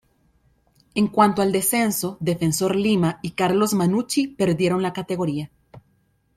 En cuanto al descenso, Defensor Lima y Carlos Mannucci perdieron la categoría.